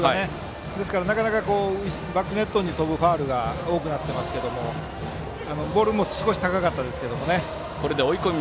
ですから、なかなかバックネットに飛ぶファウルが多くなっていますけどボールも少し高かったです。